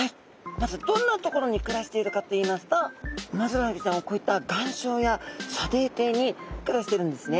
まずどんなところにくらしているかといいますとウマヅラハギちゃんはこういった岩礁や砂泥底にくらしてるんですね。